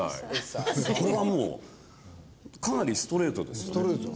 これはもうかなりストレートですよね。